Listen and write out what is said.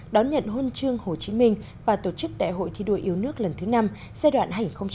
đón nhận huân chương hồ chí minh và tổ chức đại hội thi đua yêu nước lần thứ năm giai đoạn hai nghìn hai mươi hai nghìn hai mươi năm